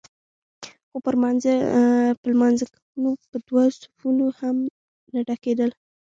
خو پر لمانځه کوونکو به دوه صفونه هم نه ډکېدل.